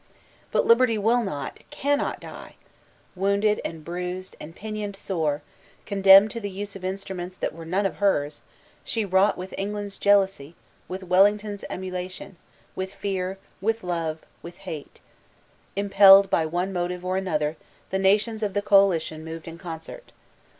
' But Liberty will not, cannot diel Wounded and bruised The Drama op the Nineteenth Centuey 387 and pinioned sore, condemned to the use of instruments that were none of hers, she wrought with England's jealousy » with Wellington's emulation, with fear, with love, with hate I Impelled by one motive or another the nations of the coaUtion moved in concert.